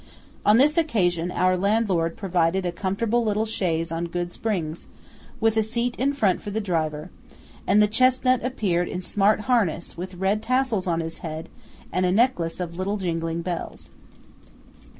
On this occasion, our landlord provided a comfortable little chaise on good springs, with a seat in front for the driver; and the chesnut appeared in smart harness, with red tassels on his bead, and a necklace of little jingling bells.